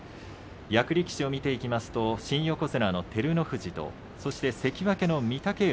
役力士を見ていきますと新横綱の照ノ富士と関脇の御嶽海